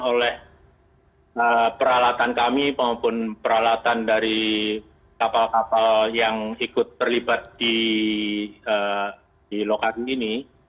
oleh peralatan kami maupun peralatan dari kapal kapal yang ikut terlibat di lokasi ini